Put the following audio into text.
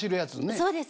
そうです。